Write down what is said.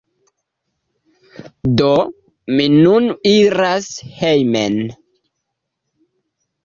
Do, mi nun iras hejmen